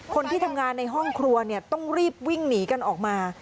คนที่ทำงานในห้องครัวเนี่ยต้องรีบวิ่งหนีกันออกมา